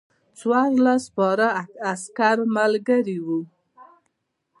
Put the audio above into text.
څوارلس سپاره عسکر ملګري ول.